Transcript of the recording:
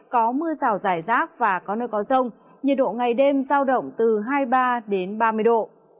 có mưa rào rải rác và có nơi có rông nhiệt độ ngày đêm giao động từ hai mươi ba đến ba mươi độ